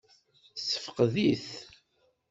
Tessefqed-it?